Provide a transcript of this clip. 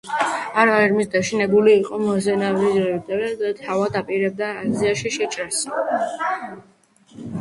ამ არმიის დანიშნულება იყო მოემზადებინა პლაცდარმი მთავარი არმიისთვის, რომლითაც ფილიპე თავად აპირებდა აზიაში შეჭრას.